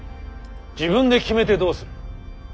自分で決めてどうする。